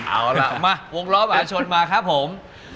เอาล่ะมาวงล้อมหาชนมาครับผม